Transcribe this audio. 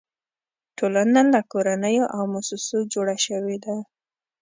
ټولنه له کورنیو او مؤسسو جوړه شوې ده.